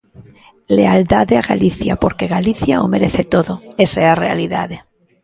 Lealdade a Galicia porque Galicia o merece todo, esa é a realidade.